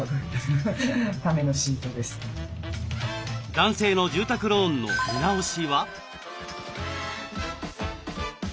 男性の住宅ローンの見直しは？